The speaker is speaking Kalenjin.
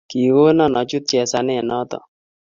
Kiikona achut chesanet noto.